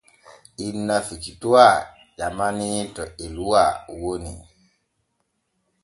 Inna Fikituwa ƴamanii to Eluwa woni.